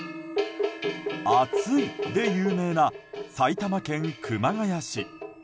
暑いで有名な埼玉県熊谷市。